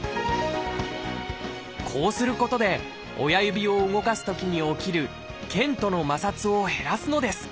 こうすることで親指を動かすときに起きる腱との摩擦を減らすのです。